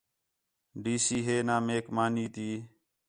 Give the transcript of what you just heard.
ڈی سی ہے نہ میک مانی تی